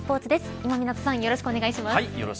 今湊さんよろしくお願いします。